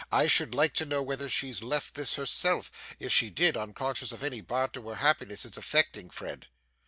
I should like to know whether she left this herself. If she did, unconscious of any bar to her happiness, it's affecting, Fred.